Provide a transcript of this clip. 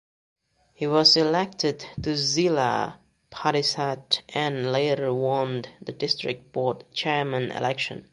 He was elected to Zila Parishad and later won the District Board Chairman election.